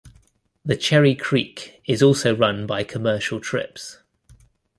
The Cherry Creek is also run by commercial trips.